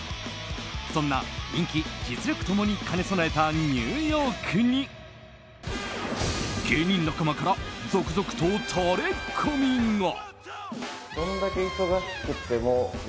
そんな人気・実力共に兼ね備えたニューヨークに芸人仲間から続々とタレコミが。